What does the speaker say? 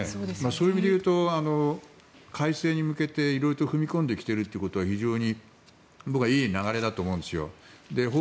そういう意味でいうと改正に向けて色々踏み込んできていることは非常に僕はいい流れだと思うんですよ。